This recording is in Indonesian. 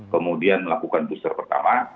kemudian melakukan booster pertama